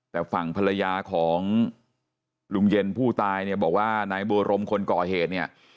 แต่ฝั่งภรรยาของลุงเย็นผู้ตายเนี่ยบอกว่านายบัวรมคนก่อเหตุเนี่ย